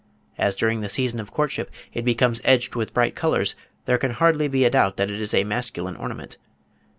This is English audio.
As during the season of courtship it becomes edged with bright colours, there can hardly be a doubt that it is a masculine ornament.